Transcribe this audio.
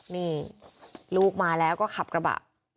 นี่ลูกมาแล้วก็ขับกระบะ